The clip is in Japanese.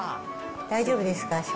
大丈夫ですか？